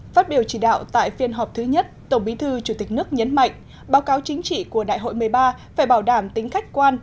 phát biểu chỉ đạo tại phiên họp thứ nhất tổng bí thư chủ tịch nước nhấn mạnh báo cáo chính trị của đại hội một mươi ba phải bảo đảm tính khách quan